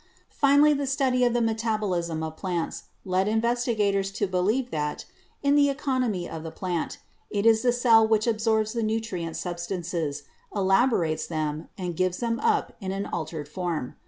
Finally, the study of the metabolism of plants led investigators to believe that, in the economy of the plant, it is the cell which absorbs the nutrient substances, elaborates them, and gives them up in an altered form.